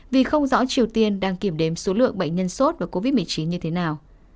vì không rõ triều tiên đang kiểm đếm số lượng bệnh nhân sốt và covid một mươi chín như thế nào